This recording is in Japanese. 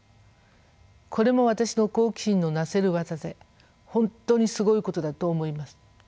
これも私の好奇心のなせる業で本当にすごいことだと思います。